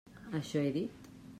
Això he dit.